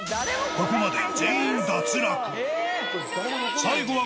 ここまで全員脱落。